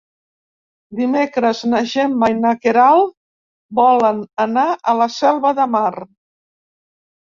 Dimecres na Gemma i na Queralt volen anar a la Selva de Mar.